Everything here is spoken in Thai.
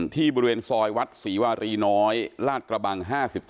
ที่บริเวณซอยวัดศรีวารีน้อยลาดกระบัง๕๒